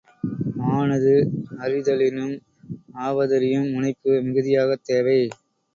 ஆனது அறிதலினும் ஆவதறியும் முனைப்பு மிகுதியாகத் தேவை.